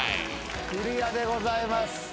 クリアでございます。